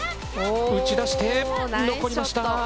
打ち出して、残りました。